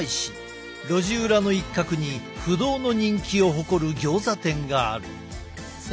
路地裏の一角に不動の人気を誇るギョーザ店がある。